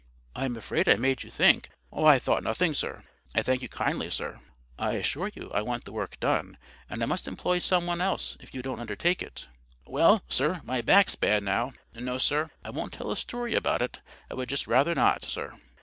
"I am afraid I made you think"— "I thought nothing, sir. I thank you kindly, sir." "I assure you I want the work done, and I must employ some one else if you don't undertake it." "Well, sir, my back's bad now—no, sir, I won't tell a story about it. I would just rather not, sir."